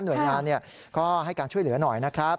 หน่วยงานก็ให้การช่วยเหลือหน่อยนะครับ